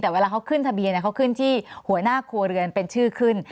แต่เวลาเขาขึ้นทะเบียนเขาขึ้นที่หัวหน้าครัวเรือนเป็นชื่อขึ้น